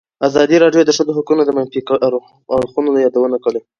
ازادي راډیو د د ښځو حقونه د منفي اړخونو یادونه کړې.